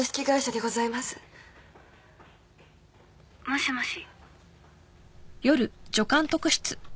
☎もしもし。